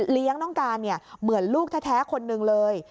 เลี้ยงน้องกาลเนี่ยเหมือนลูกแท้คนหนึ่งเลย